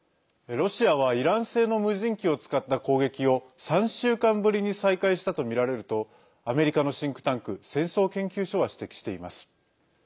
ロシアはイラン製の無人機を使った攻撃を３週間ぶりに再開したとみられるとアメリカのシンクタンク戦争研究所は指摘しています。